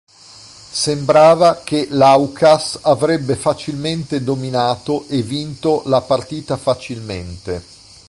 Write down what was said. Sembrava che l'Aucas avrebbe facilmente dominato e vinto la partita facilmente.